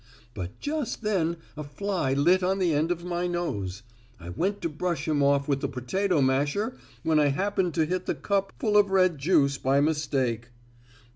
But just then a fly lit on the end of my nose. I went to brush him off with the potato masher when I happened to hit the cup full of red juice by mistake.